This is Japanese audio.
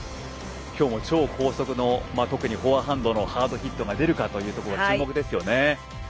今日も超高速の特にフォアハンドのハードヒットが出るか注目ですね。